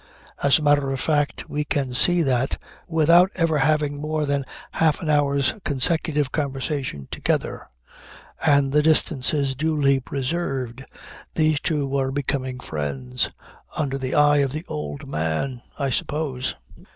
As a matter of fact we can see that, without ever having more than a half an hour's consecutive conversation together, and the distances duly preserved, these two were becoming friends under the eye of the old man, I suppose.